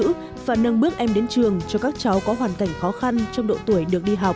để thực hiện công tác xóa mùa chữ và nâng bước em đến trường cho các cháu có hoàn cảnh khó khăn trong độ tuổi được đi học